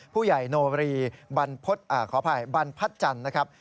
ผู้ใหญ่โนรีบรรพัดจันทร์นะครับ